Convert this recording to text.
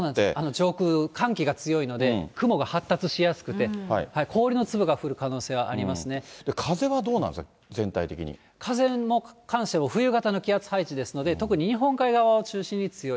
上空、寒気が強いので、雲が発達しやすくて、風はどうなんですか、全体的風に関しても、冬型の気圧配置ですので、特に日本海側を中心に強い。